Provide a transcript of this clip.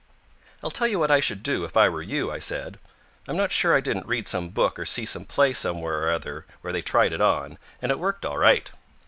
"I'll tell you what I should do if I were you," I said. "I'm not sure I didn't read some book or see some play somewhere or other where they tried it on, and it worked all right.